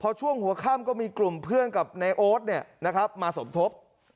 พอช่วงหัวค่ำก็มีกลุ่มเพื่อนกับนายโอ๊ตมาสมทบ